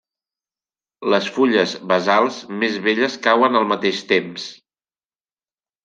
Les fulles basals més velles cauen al mateix temps.